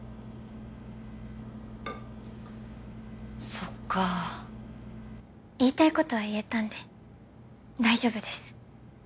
そっか言いたいことは言えたんで大丈夫です